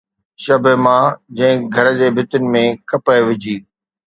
شبِ مه، جنهن گهر جي ڀتين ۾ ڪپهه وجھي